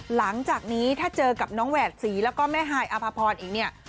หลังจากนี้ถ้าเจอกับน้องแหวดศรีแล้วก็แม่ฮายอภพรอีกเนี่ย